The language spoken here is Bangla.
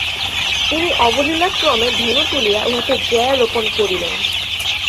তিনি অবলীলাক্রমে ধনু তুলিয়া উহাতে জ্যা রোপণ করিলেন।